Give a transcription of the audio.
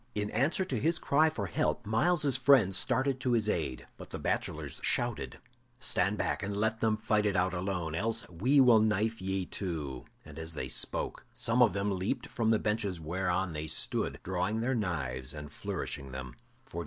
In answer to his cry for help, Myles's friends started to his aid. But the bachelors shouted, "Stand back and let them fight it out alone, else we will knife ye too." And as they spoke, some of them leaped from the benches whereon they stood, drawing their knives and flourishing them.